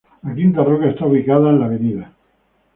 La Quinta Rocca está ubicada en la Av.